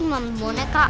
lihat gitu dia kah